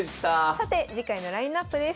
さて次回のラインナップです。